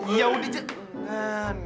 iya udah jangan